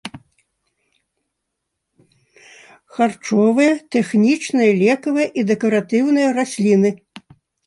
Харчовыя, тэхнічныя, лекавыя і дэкаратыўныя расліны.